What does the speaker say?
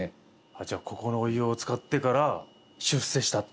じゃあここのお湯をつかってから出世したと。